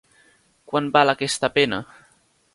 Quant val aquesta pena?